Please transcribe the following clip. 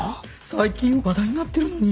最近話題になってるのに。